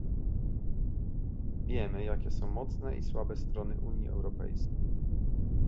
Wiemy, jakie są mocne i słabe strony Unii Europejskiej